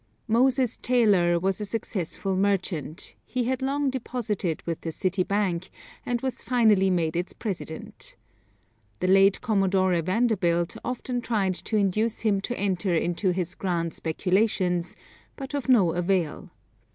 Moses Taylor was a successful merchant, he had long deposited with the City Bank, and was finally made its president. The late Commodore Vanderbilt often tried to induce him to enter into his grand speculations, but of no avail.